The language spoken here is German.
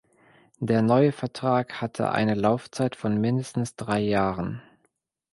Der neue Vertrag hatte eine Laufzeit von mindestens drei Jahren.